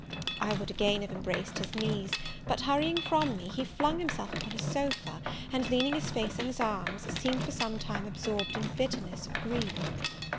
I would again have embraced his knees; but, hurrying from me, he flung himself upon a sofa, and, leaning his face on his arms, seemed for some time absorbed in bitterness of grief.